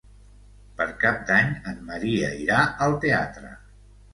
Per Cap d'Any en Maria irà al teatre.